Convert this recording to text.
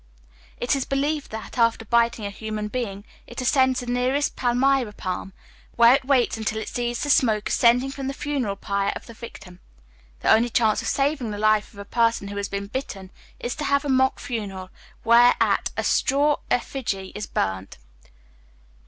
It is believed that, after biting a human being, it ascends the nearest palmyra palm, where it waits until it sees the smoke ascending from the funeral pyre of the victim. The only chance of saving the life of a person who has been bitten is to have a mock funeral, whereat a straw effigy is burnt.